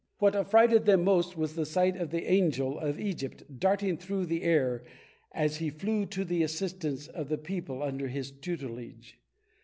What affrighted them most, was the sight of the Angel of Egypt darting through the air as he flew to the assistance of the people under his tutelage.